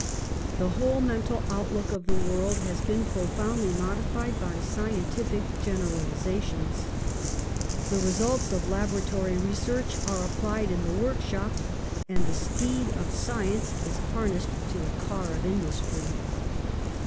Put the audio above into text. The whole mental outlook of the world has been profoundly modified by scientific generalizations. The results of laboratory research are applied in the workshop, and the steed of Science is harnessed to the car of Industry.